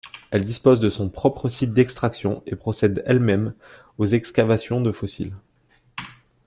Elle dispose de son propre site d'extraction et procède elle-même aux excavations de fossiles.